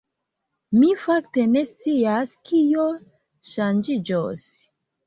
Mi fakte ne scias kio ŝanĝiĝos.